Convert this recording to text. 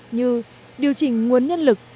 như điều chỉnh nguồn nhân lực